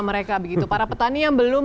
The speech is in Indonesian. mereka begitu para petani yang belum